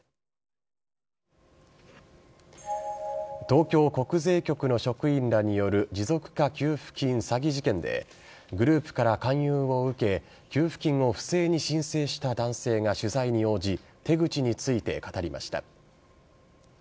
東京国税局の職員らによる持続化給付金詐欺事件でグループから勧誘を受け給付金を不正に申請した男性が取材に応じ手口について語りました。